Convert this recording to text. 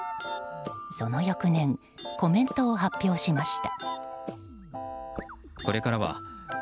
その翌年コメントを発表しました。